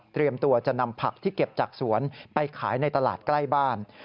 ตัวจะนำผักที่เก็บจากสวนไปขายในตลาดใกล้บ้าน